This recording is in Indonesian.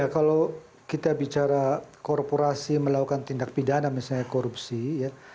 kalau kita bicara korporasi melakukan tindak pidana misalnya korupsi ya